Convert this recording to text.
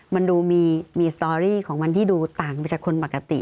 มันดูมีสตอรี่ของมันที่ดูต่างไปจากคนปกติ